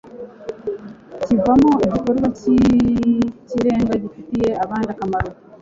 kivamo igikorwa cy'ikirenga gifitiye abandi akamaro